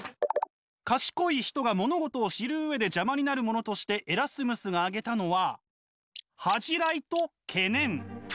賢い人が物事を知る上で邪魔になるものとしてエラスムスが挙げたのは恥じらいと懸念。